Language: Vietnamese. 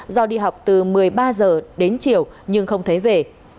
do đi học từ một mươi ba h đến chiều nhưng không thấy về